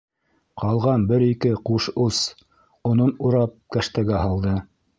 Ҡалған бер-ике ҡуш ус онон урап кәштәгә һалды.